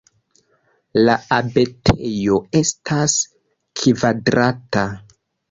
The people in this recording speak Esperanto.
La abatejo estas kvadrata.